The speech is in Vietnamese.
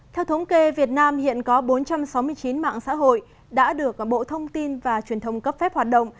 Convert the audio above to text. theo thống kê việt nam hiện có bốn trăm sáu mươi chín mạng xã hội đã được bộ thông tin và truyền thông cấp phép hoạt động